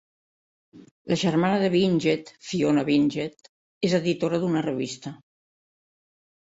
La germana de Wingett, Fiona Wingett, és editora d'una revista.